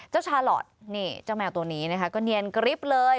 เจ้าชาลอทเจ้าแมวตัวนี้ก็เนียนกริปเลย